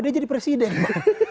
dia jadi presiden bang